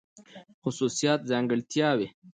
خصوصيات √ ځانګړتياوې